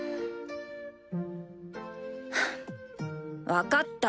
分かった。